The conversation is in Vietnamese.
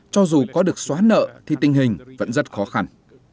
cho dù có được xóa nợ thì tình hình vẫn rất khó khăn